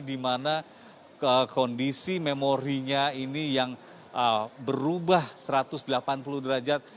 di mana kondisi memorinya ini yang berubah satu ratus delapan puluh derajat